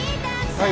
はい？